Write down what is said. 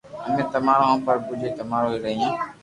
امي تمارو ھون پرڀو جي تمارو ھون رھيو